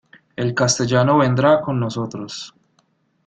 El castellano vendrá con nosotros.